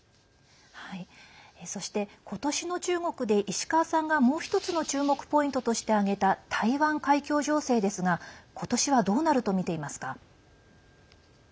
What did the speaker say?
そして今年の中国で石川さんが、もう１つの注目ポイントとして挙げた台湾海峡情勢ですが今年はどうなるとみていますか。